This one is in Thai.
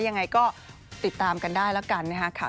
ยังไงก็ติดตามกันได้แล้วกันนะครับ